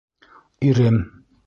Ирем!